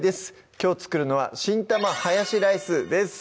きょう作るのは「新玉ハヤシライス」です